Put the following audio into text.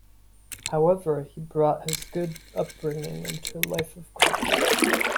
However, he brought his good upbringing into a life of crime.